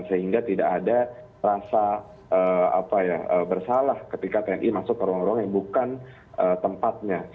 sehingga tidak ada rasa bersalah ketika tni masuk ke ruang ruang yang bukan tempatnya